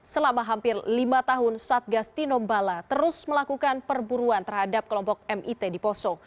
selama hampir lima tahun satgas tinombala terus melakukan perburuan terhadap kelompok mit di poso